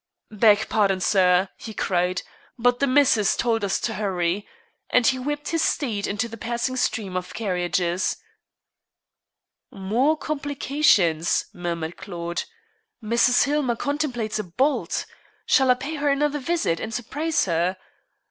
"Beg pardon, sir," he cried, "but the missus told us to hurry"; and he whipped his steed into the passing stream of carriages. "More complications," murmured Claude. "Mrs. Hillmer contemplates a bolt. Shall I pay her another visit and surprise her?